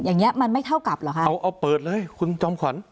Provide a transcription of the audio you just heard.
อย่างนี้มันไม่เท่ากับเหรอคะเอาเอาเปิดเลยคุณจอมขวัญ